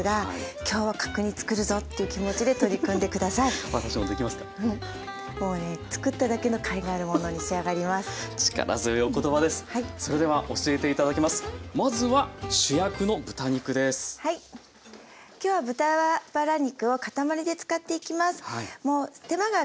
今日は豚バラ肉を塊で使っていきます。